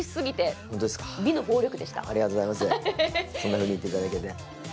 そんなふうに言っていただいて。